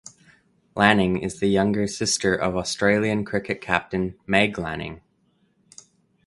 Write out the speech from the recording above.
Lanning is the younger sister of Australian cricket captain Meg Lanning.